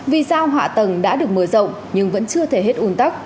vì sao họa tầng đã được mở rộng nhưng vẫn chưa thể hết ủn tắc